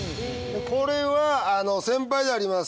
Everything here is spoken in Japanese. これは先輩であります